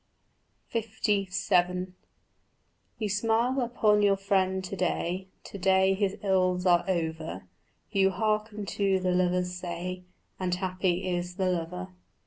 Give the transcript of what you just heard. LVII You smile upon your friend to day, To day his ills are over; You hearken to the lover's say, And happy is the lover.